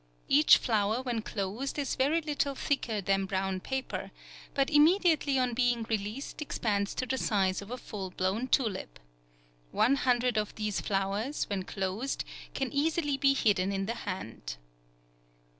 —Each flower when closed is very little thicker than brown paper, but immediately on being released expands to the size of a full blown tulip. One hundred of these flowers, when closed, can easily be hidden in the hand.